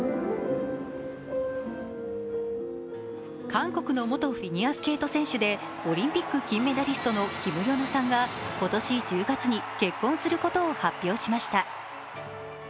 韓国の元フィギュアスケート選手でオリンピック金メダリストのキム・ヨナさんが今年１０月に結婚することを発表しました。